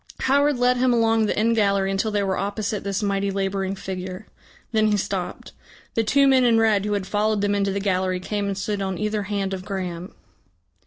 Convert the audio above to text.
Howard led him along the end gallery until they were opposite this mighty labouring figure. Then he stopped. The two men in red who had followed them into the gallery came and stood on either hand of Graham.